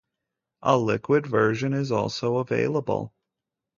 A liquid version is also available.